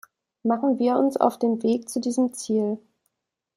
Machen wir uns auf den Weg zu diesem Ziel.